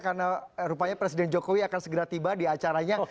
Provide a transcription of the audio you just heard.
karena rupanya presiden jokowi akan segera tiba di acaranya